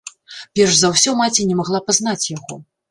Перш за ўсё маці не магла пазнаць яго.